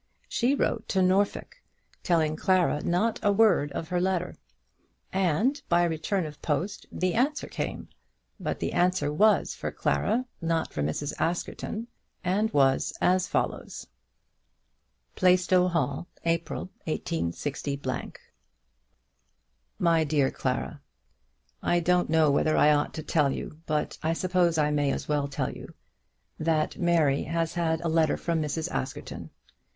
She wrote to Norfolk, telling Clara not a word of her letter, and by return of post the answer came. But the answer was for Clara, not for Mrs. Askerton, and was as follows: Plaistow Hall, April, 186 . MY DEAR CLARA, I don't know whether I ought to tell you but I suppose I may as well tell you, that Mary has had a letter from Mrs. Askerton.